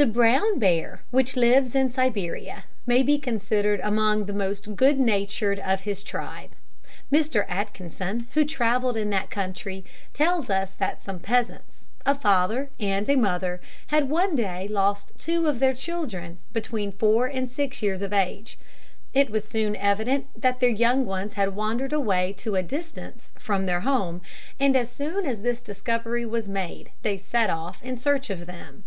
The brown bear, which lives in Siberia, may be considered among the most good natured of his tribe. Mr Atkinson, who travelled in that country, tells us that some peasants a father and mother had one day lost two of their children, between four and six years of age. It was soon evident that their young ones had wandered away to a distance from their home, and as soon as this discovery was made they set off in search of them.